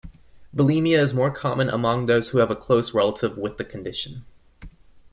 Bulimia is more common among those who have a close relative with the condition.